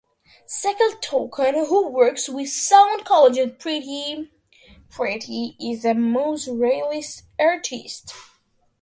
Cecil Touchon, who works with sound collage and poetry, is a massurrealist artist.